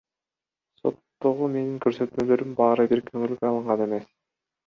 Соттогу менин көрсөтмөлөрүм баары бир көңүлгө алынган эмес.